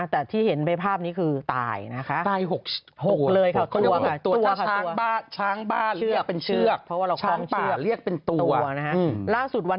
แต่ที่เห็นไปภาพนี้คือตายนะคะ